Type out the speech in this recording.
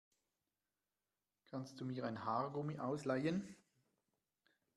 Kannst du mir ein Haargummi ausleihen?